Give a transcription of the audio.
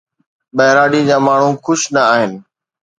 ٻهراڙيءَ جا ماڻهو خوش نه آهن.